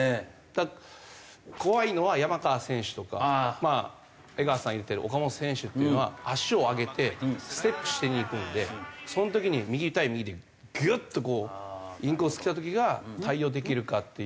だから怖いのは山川選手とかまあ江川さんが言ってる岡本選手っていうのは足を上げてステップしにいくんでその時に右対右でギュッとインコースきた時が対応できるかっていう。